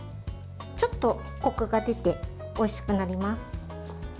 ちょっとこくが出ておいしくなります。